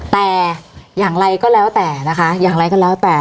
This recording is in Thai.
แต่อย่างไรก็แล้วแต่นะคะอย่างไรก็แล้วแต่